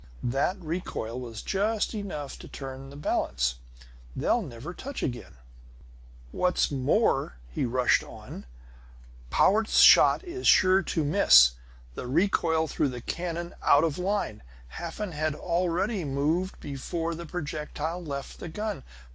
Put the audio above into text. That recoil was just enough to turn the balance; they'll never touch again. "And what's more," he rushed on, "Powart's shot is sure to miss! The recoil threw the cannon out of line. Hafen had already mooved before the projectile left the gun.